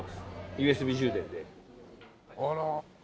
ＵＳＢ充電で。